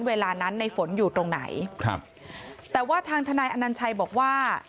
เวลานั้นในฝนอยู่ตรงไหนครับแต่ว่าทางทนายอนัญชัยบอกว่า